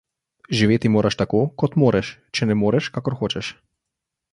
Živeti moraš tako, kot moreš, če ne moreš, kakor hočeš.